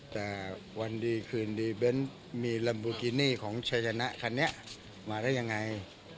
แต่วันดีคืนดีเบ้นมีลัมบูกินี่ของชัยชนะคันนี้มาได้ยังไง